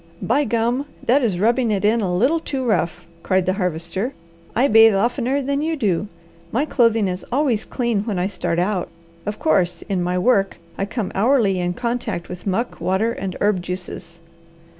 "By gum, that is rubbing it in a little too rough!" cried the Harvester. "I bathe oftener than you do. My clothing is always clean when I start out. Of course, in my work I come hourly in contact with muck, water, and herb juices."